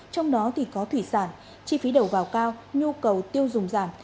trong đó thì có thủy sản chi phí đầu vào cao nhu cầu tiêu dùng giảm